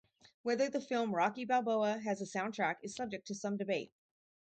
Whether the film "Rocky Balboa" has a soundtrack is subject to some debate.